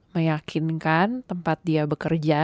meyakinkan tempat dia bekerja